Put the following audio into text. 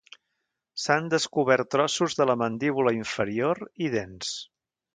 S'han descobert trossos de la mandíbula inferior i dents.